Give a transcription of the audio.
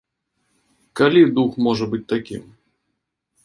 Калі дух можа быць такім?